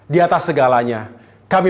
di atas segalanya kami